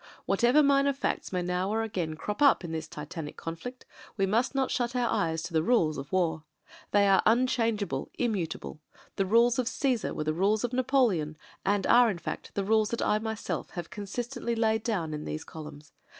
Whatever minor facts may now or again crop up in this titanic conflict, we must not shut our eyes to the rules of war. They are unchangeable, immutable ; the rules of Caesar were the rules of Napoleon, and are in fact the rules that I myself have consistently laid down in these columns.